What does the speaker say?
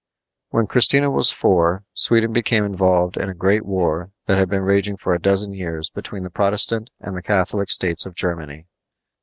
When Christina was four, Sweden became involved in the great war that had been raging for a dozen years between the Protestant and the Catholic states of Germany.